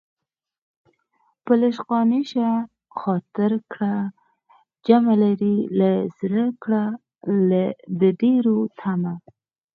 په لږ قانع شه خاطر کړه جمع لرې له زړه کړه د ډېرو طمع